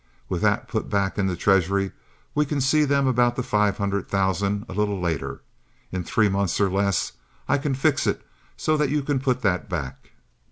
With that put back in the treasury we can see them about the five hundred thousand a little later. In three months, or less, I can fix it so that you can put that back.